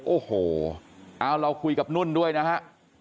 โอ้โหเราคุยกับนุ่นด้วยนะครับ